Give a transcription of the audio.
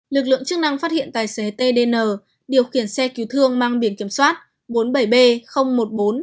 lực lượng chức năng phát hiện tài xế tdn điều khiển xe cứu thương mang biển kiểm soát bốn mươi bảy b một nghìn bốn trăm chín mươi một